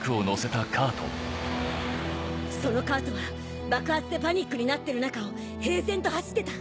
うっそのカートは爆発でパニックになってる中を平然と走ってた。